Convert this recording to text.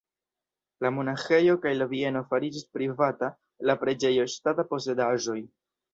La monaĥejo kaj la bieno fariĝis privata, la preĝejo ŝtata posedaĵoj.